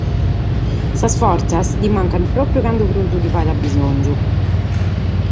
Sas fortzas li mancant pròpiu cando prus li faghent a bisòngiu!